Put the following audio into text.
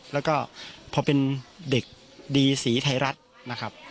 แล้วก็พอเป็นเด็กดีสีไทยรัฐนะครับ